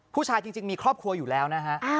ผู้ชายจริงมีครอบครัวอยู่แล้วนะฮะ